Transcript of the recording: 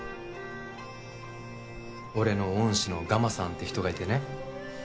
俺の恩師のガマさんって人がいてね